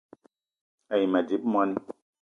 A yi ma dzip moni